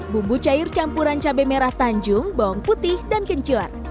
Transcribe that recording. bumbu cair campuran cabai merah tanjung bawang putih dan kencur